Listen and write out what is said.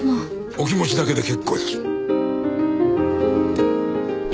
お気持ちだけで結構です。